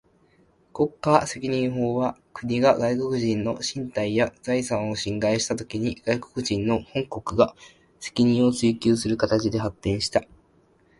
国家責任法は、国が外国人の身体や財産を侵害したときに、外国人の本国が責任を追求する形で発展した。